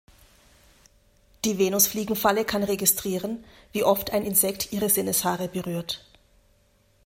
Die Venusfliegenfalle kann registrieren, wie oft ein Insekt ihre Sinneshaare berührt.